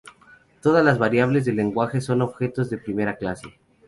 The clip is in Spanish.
Todas las variables del lenguaje son objetos de primera clase.